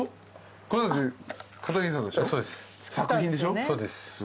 そうです。